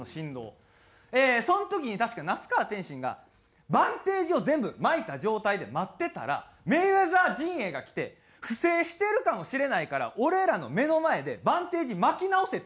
その時に確か那須川天心がバンテージを全部巻いた状態で待ってたらメイウェザー陣営が来て不正してるかもしれないから俺らの目の前でバンテージ巻き直せって言うたんですよ。